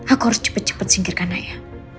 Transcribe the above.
aku harus cepet cepet singkirkan naya